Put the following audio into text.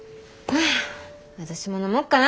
私も飲もっかな。